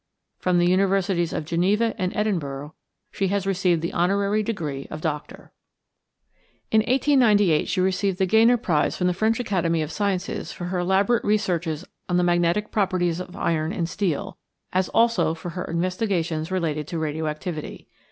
From the universities of Geneva and Edinburgh she has received the honorary degree of doctor. In 1898 she received the Gegner prize from the French Academy of Sciences for her elaborate researches on the magnetic properties of iron and steel, as also for her investigations relating to radio activity.